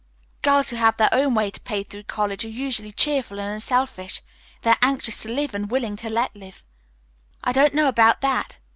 Girls who have their own way to pay through college are usually cheerful and unselfish. They are anxious to live and willing to let live." "I don't know about that.